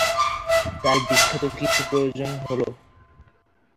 তার বিখ্যাত কিছু প্রযোজনা হলঃ